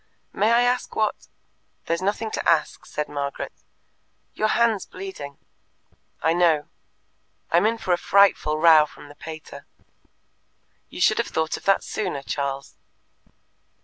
"May I ask what " "There's nothing to ask," said Margaret. "Your hand's bleeding." "I know." "I'm in for a frightful row from the pater." "You should have thought of that sooner, Charles."